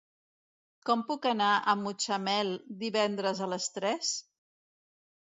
Com puc anar a Mutxamel divendres a les tres?